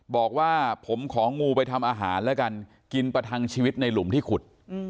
บอกว่าผมของงูไปทำอาหารแล้วกันกินประทังชีวิตในหลุมที่ขุด